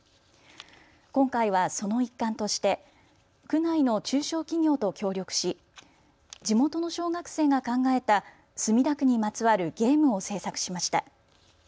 今回はその一環として区内の中小企業と協力し地元の小学生が考えた墨田区にまつわるゲームを製作しました。